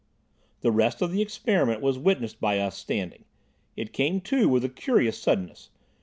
The rest of the experiment was witnessed by us standing. It came, too, with a curious suddenness.